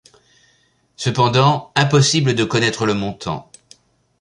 Cependant impossible de connaître le montant.